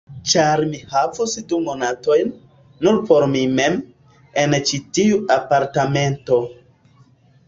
Ĉar mi havus du monatojn, nur por mi mem, en ĉi tiu apartamento.